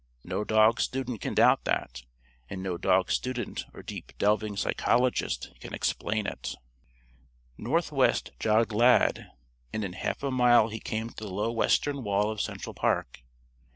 No dog student can doubt that, and no dog student or deep delving psychologist can explain it.) Northwestward jogged Lad, and in half a mile he came to the low western wall of Central Park.